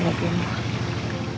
aku cintamu lebih